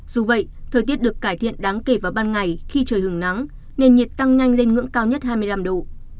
dù vậy thời tiết được cải thiện đáng kể vào ban ngày khi trời hứng nắng nền nhiệt tăng nhanh lên ngưỡng cao nhất hai mươi năm độ